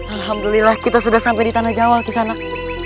alhamdulillah kita sudah sampai di tanah jawa kisanak